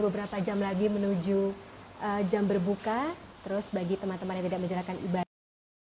beberapa jam lagi menuju jam berbuka terus bagi teman teman yang tidak menjalankan ibadah